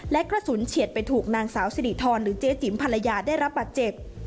และกระสุนเฉียดไปถูกนางสาวสิริธรหรือเจ๊จิ๋มภรรยาได้รับบาดเจ็บ